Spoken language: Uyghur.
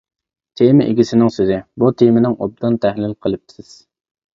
تېما ئىگىسىنىڭ سۆزى : بۇ تېمىنىڭ ئوبدان تەھلىل قىلىپسىز.